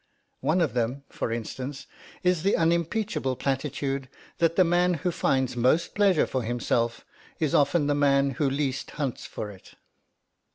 One of them, for instance, is the unimpeachable platitude that the man who finds most pleasure for himself is often the man who least hunts for it.